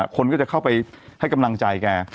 คนก็จะเข้าไปให้กำลังใจแก